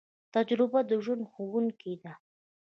تجربه د ژوند ښوونکی ده